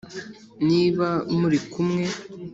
niba muri kumwe,